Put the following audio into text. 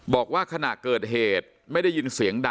บอกว่าขณะเกิดเหตุไม่ได้ยินเสียงดัง